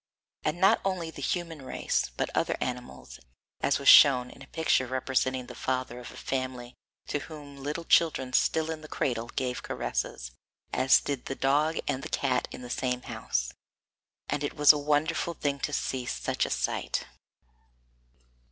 And not only the human race, but other animals; as was shown in a picture representing the father of a family to whom little children still in the cradle gave caresses, as did the dog and the cat in the same house; and it was a wonderful thing to see such a sight.